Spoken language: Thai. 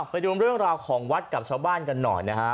ไปดูเรื่องราวของวัดกับชาวบ้านกันหน่อยนะฮะ